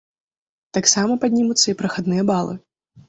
Таксама паднімуцца і прахадныя балы.